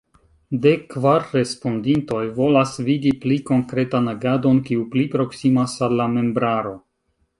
Dek kvar respondintoj volas vidi pli konkretan agadon kiu pli proksimas al la membraro.